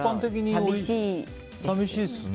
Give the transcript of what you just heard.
寂しいですね。